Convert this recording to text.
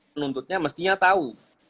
penuntutnya mestinya tahu